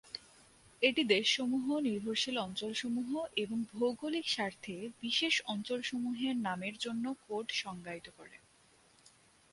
এটি দেশসমূহ, নির্ভরশীল অঞ্চলসমূহ এবং ভৌগোলিক স্বার্থে বিশেষ অঞ্চলসমূহের নামের জন্য কোড সংজ্ঞায়িত করে।